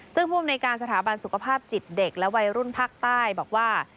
ซึ่งผู้อำนวยการสถาบันสุขภาพจิตเด็กและวัยรุ่นภาคใต้บอกว่า